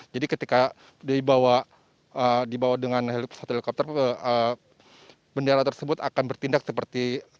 jadi ketika dibawa dengan pesawat helikopter bendera tersebut akan bertindak seperti ini